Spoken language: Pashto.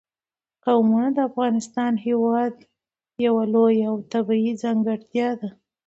قومونه د افغانستان هېواد یوه لویه او طبیعي ځانګړتیا ده.